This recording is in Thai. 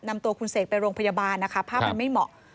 นำตัวคุณเสกไปโรงพยาบาลนะคะภาพมันไม่เหมาะ